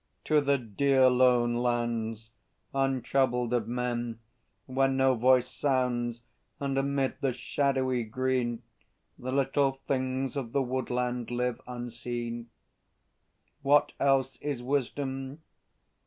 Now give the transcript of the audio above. ... To the dear lone lands untroubled of men, Where no voice sounds, and amid the shadowy green The little things of the woodland live unseen. What else is Wisdom?